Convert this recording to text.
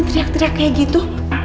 teriak teriak kayak gitu